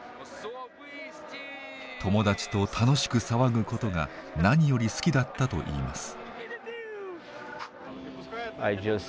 友達と楽しく騒ぐことが何より好きだったと言います。